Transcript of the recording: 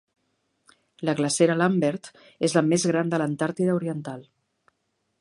La glacera Lambert és la més gran de l'Antàrtida Oriental.